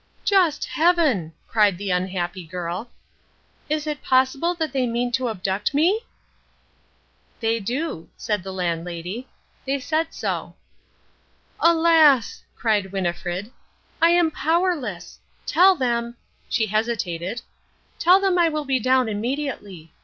"Just Heaven!" cried the Unhappy Girl. "Is it possible that they mean to abduct me?" "They do," said the Landlady. "They said so!" "Alas!" cried Winnifred, "I am powerless. Tell them" she hesitated "tell them I will be down immediately.